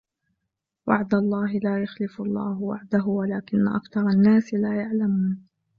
وَعْدَ اللَّهِ لَا يُخْلِفُ اللَّهُ وَعْدَهُ وَلَكِنَّ أَكْثَرَ النَّاسِ لَا يَعْلَمُونَ